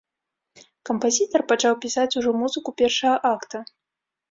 Кампазітар пачаў пісаць ужо музыку першага акта.